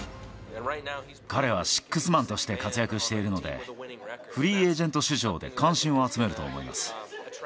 彼はシックスマンとして活躍しているので、フリーエージェント市場で関心を集めると思います。